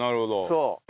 そう。